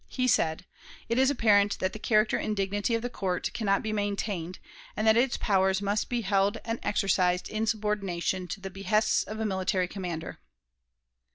He said: "It is apparent that the character and dignity of the Court can not be maintained, and that its powers must be held and exercised in subordination to the behests of a military commander."